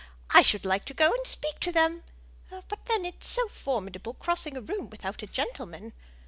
I should like to go and speak to them, but then it's so formidable crossing a room without a gentleman.